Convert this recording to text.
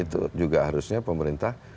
itu juga harusnya pemerintah